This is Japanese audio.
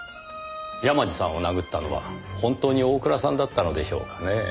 山路さんを殴ったのは本当に大倉さんだったのでしょうかね？